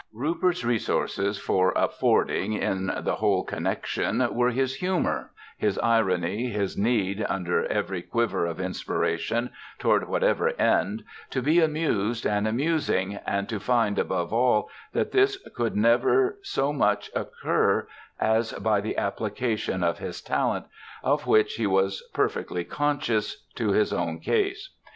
Rupert's resources for affording, in the whole connection, were his humour, his irony, his need, under every quiver of inspiration, toward whatever end, to be amused and amusing, and to find above all that this could never so much occur as by the application of his talent, of which he was perfectly conscious, to his own case.